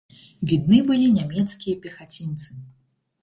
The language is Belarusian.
Відны былі нямецкія пехацінцы.